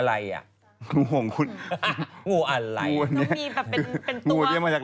ใช่เห็นงูมาพันนี้เป็นกระหาของพี่เมย์เต็มที่มาก